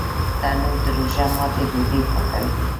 تنور د روژه ماتي ډوډۍ پخوي